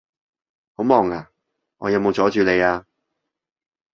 好忙呀？我有冇阻住你呀？